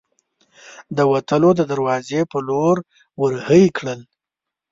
د وتلو د دراوزې په لور ور هۍ کړل.